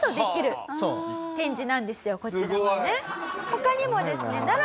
他にもですねなら